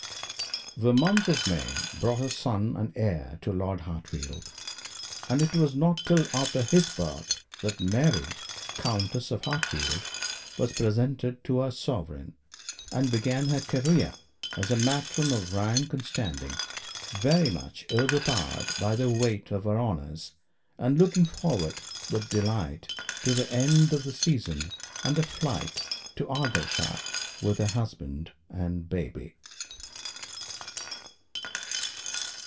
The month of May brought a son and heir to Lord Hartfield; and it was not till after his birth that Mary, Countess of Hartfield, was presented to her sovereign, and began her career as a matron of rank and standing, very much overpowered by the weight of her honours, and looking forward with delight to the end of the season and a flight to Argyleshire with her husband and baby.